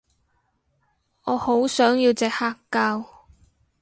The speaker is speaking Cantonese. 我好想要隻黑膠